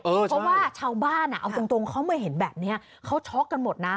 เออใช่เพราะว่าชาวบ้านอ่ะเอาตรงตรงเขาเมื่อเห็นแบบเนี้ยเขาช็อกกันหมดน่ะ